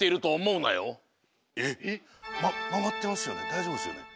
だいじょうぶですよね？